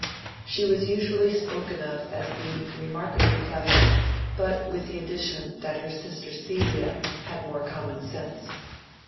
She was usually spoken of as being remarkably clever, but with the addition that her sister Celia had more common sense.